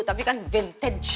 tapi kan vintage